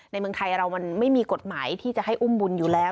เมืองไทยเรามันไม่มีกฎหมายที่จะให้อุ้มบุญอยู่แล้ว